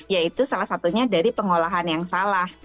yaitu salah satunya dari pengolahan yang salah